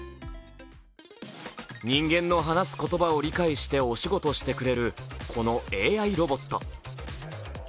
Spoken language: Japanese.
人間の話す言葉を理解してお仕事してくれるこのＡＩロボット。